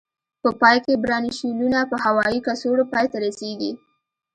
په پای کې برانشیولونه په هوایي کڅوړو پای ته رسيږي.